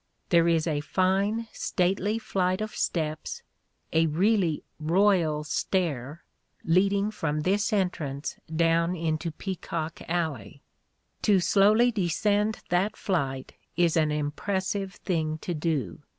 There is a fine stately flight of steps — a really royal stair — ^leading from this entrance down into Peacock Alley. To slowly descend that flight is an impressive thing to do.